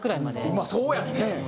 まあそうやんね。